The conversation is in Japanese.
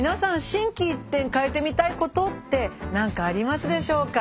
心機一転変えてみたいことって何かありますでしょうか？